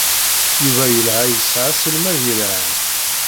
Yuba yella yesɛa aselmad yelhan.